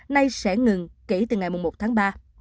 nay sẽ ngừng kể từ ngày một tháng ba